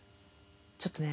ちょっとね